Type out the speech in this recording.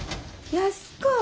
安子。